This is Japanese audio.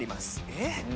えっ？